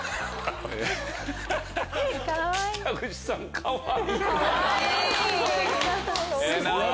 かわいい！